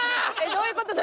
どういうこと？